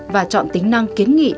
và chọn tính năng kiến nghị